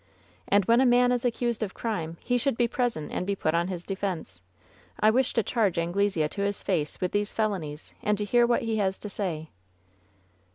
And when a man is accused of crime he should be present and be put upon his defense. I wish to charge Anglesea to his face with these felonies and to hear what he has to say."